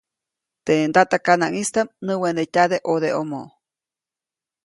Teʼ ndatakanaŋʼistaʼm näwenetyade ʼodeʼomo.